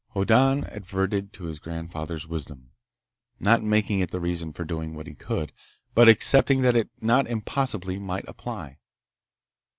Hoddan adverted to his grandfather's wisdom—not making it the reason for doing what he could, but accepting that it not impossibly might apply.